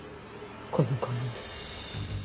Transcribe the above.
この５人です。